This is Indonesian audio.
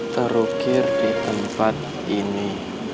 terukir di tempat ini